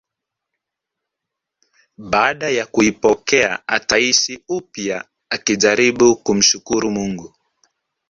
Baada ya kuipokea ataishi upya akijaribu kumshukuru Mungu